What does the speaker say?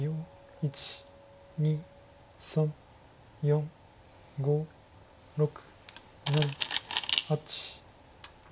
１２３４５６７８。